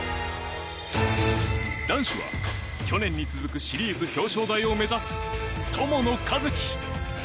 男子は去年に続くシリーズ表彰台を目指す友野一希。